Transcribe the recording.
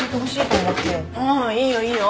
ああいいよいいよ。